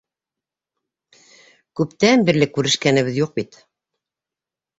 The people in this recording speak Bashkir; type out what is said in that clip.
Күптән бирле күрешкәнебеҙ юҡ бит.